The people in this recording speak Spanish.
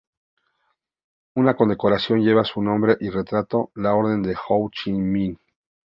Una condecoración lleva su nombre y retrato: la Orden de Ho Chi Minh.